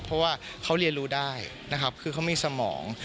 เพราะว่าเขาเรียนรู้ได้นะครับคือเขามีสมอง